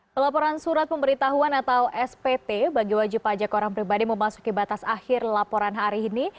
pelaporan surat pemberitahuan atau spt bagi wajib pajak orang pribadi memasuki batas akhir laporan hari ini